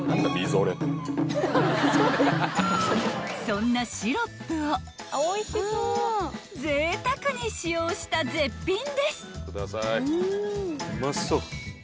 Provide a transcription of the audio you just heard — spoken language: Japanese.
［そんなシロップをぜいたくに使用した絶品です］